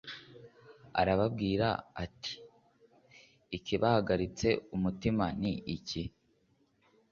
Arababwira ati : ikibahagaritse umutima ni iki?